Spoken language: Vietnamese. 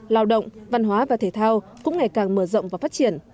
lao động văn hóa và thể thao cũng ngày càng mở rộng và phát triển